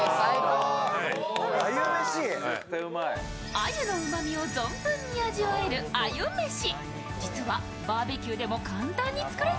鮎のうまみを存分に味わえる鮎めし。